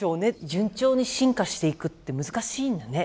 順調に進化していくって難しいんだね